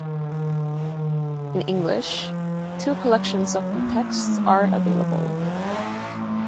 In English, two collections of the texts are available.